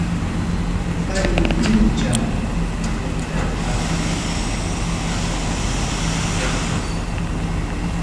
Paqarin mincham vueltarqamuchkasaq.